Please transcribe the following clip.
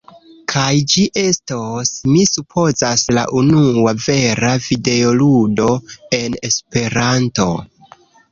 kaj ĝi estos, mi supozas, la unua vera videoludo en Esperanto.